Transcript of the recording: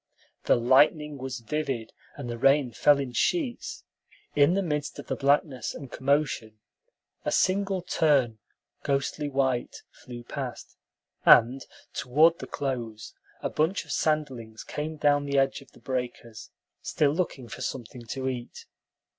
The lightning was vivid, and the rain fell in sheets. In the midst of the blackness and commotion, a single tern, ghostly white, flew past, and toward the close a bunch of sanderlings came down the edge of the breakers, still looking for something to eat.